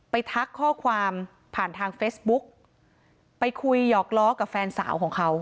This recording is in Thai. ทักข้อความผ่านทางเฟซบุ๊กไปคุยหยอกล้อกับแฟนสาวของเขา